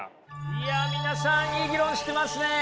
いや皆さんいい議論してますね！